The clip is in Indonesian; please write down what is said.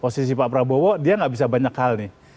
posisi pak prabowo dia nggak bisa banyak hal nih